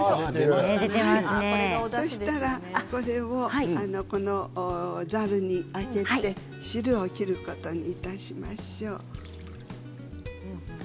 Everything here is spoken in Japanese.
そしたら、これをざるにあけて汁を切ることにいたしましょう。